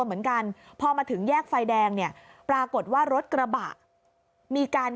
เหมือนกันพอมาถึงแยกไฟแดงเนี่ยปรากฏว่ารถกระบะมีการ